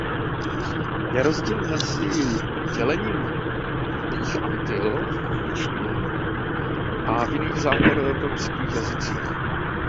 Je rozdíl mezi dělením Malých Antil v angličtině a v jiných západoevropských jazycích.